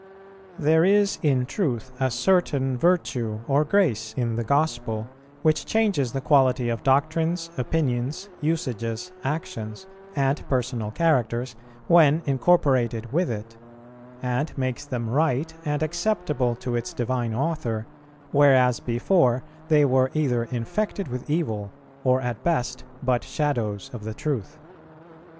_ There is in truth a certain virtue or grace in the Gospel which changes the quality of doctrines, opinions, usages, actions, and personal characters when incorporated with it, and makes them right and acceptable to its Divine Author, whereas before they were either infected with evil, or at best but shadows of the truth.